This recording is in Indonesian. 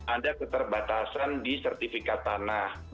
ada keterbatasan di sertifikat tanah